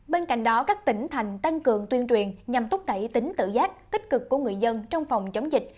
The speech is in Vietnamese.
bên cạnh đó các tỉnh thành tăng cường tuyên truyền nhằm thúc đẩy tính tự giác tích cực của người dân trong phòng chống dịch